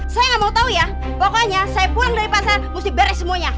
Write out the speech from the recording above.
saya gak mau tau ya pokoknya saya pulang dari pasar mesti beres semuanya